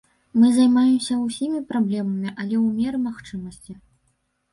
Мы займаемся ўсімі праблемамі, але ў меры магчымасці.